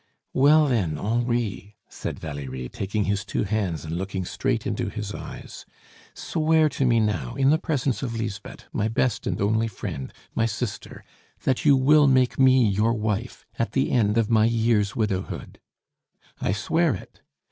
"Well, then, Henri," said Valerie, taking his two hands and looking straight into his eyes, "swear to me now, in the presence of Lisbeth, my best and only friend, my sister that you will make me your wife at the end of my year's widowhood." "I swear it."